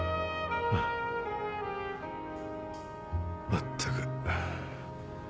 まったく。